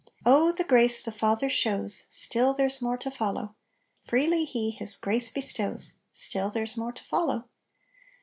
Oh the grace the Father shows ! Still there's more to follow; Freely He His grace bestows, Still there's more to follow.